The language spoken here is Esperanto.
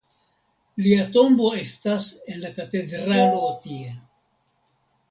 Lia tombo estas en la katedralo tie.